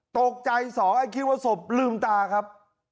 ตกใจสองไอ้คิดว่าศพลืมตาครับ